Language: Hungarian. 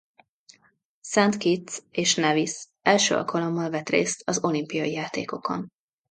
Saint Kitts és Nevis első alkalommal vett részt az olimpiai játékokon.